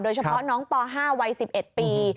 โดยเฉพาะน้องป๕วัย๑๑ปี